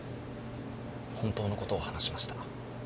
本当のことを話しました。